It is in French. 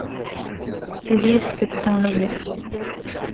Ses livres s'étaient enlevés.